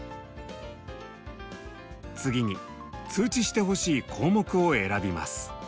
次に通知してほしい項目を選びます。